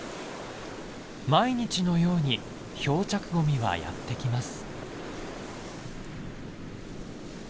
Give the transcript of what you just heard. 毎日のように漂着ゴミはやって来ます。